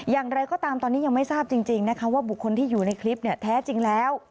อย่างไรก็ตามตอนนี้ยังไม่ทราบจริงนะคะว่าบุคคลที่อยู่ในคลิปเนี่ยแท้จริงแล้ว